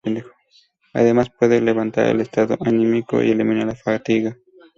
Además, puede levantar el estado anímico, y eliminar la fatiga.